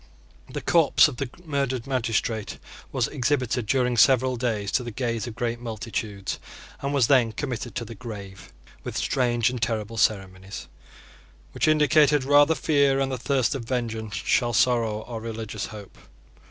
The corpse of the murdered magistrate was exhibited during several days to the gaze of great multitudes, and was then committed to the grave with strange and terrible ceremonies, which indicated rather fear and the thirst of vengeance shall sorrow or religious hope.